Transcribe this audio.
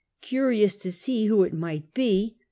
Curious to see who it might be, he A.